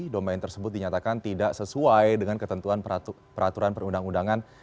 domain tersebut dinyatakan tidak sesuai dengan ketentuan peraturan perundang undangan